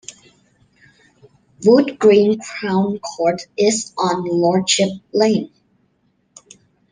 Wood Green Crown Court is on Lordship Lane.